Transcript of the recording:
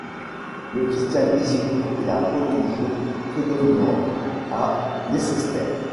Le christianisme est la religion prédominante à Leicester.